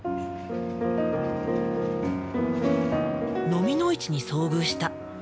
のみの市に遭遇した。